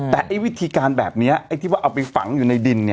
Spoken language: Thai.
แต่ไอ้วิธีการแบบนี้ไอ้ที่ว่าเอาไปฝังอยู่ในดิน